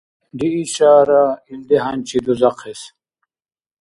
Риишара илди хӀянчи дузахъес?